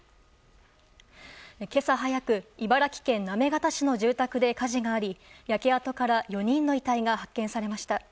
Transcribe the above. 今朝早く茨城県行方市の住宅で火事があり焼け跡から４人の遺体が発見されました。